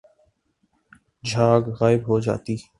جھاگ غائب ہو جاتی